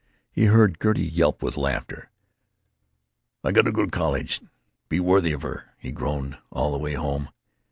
He heard Gertie yelp with laughter. "I got to go to college—be worthy of her!" he groaned, all the way home.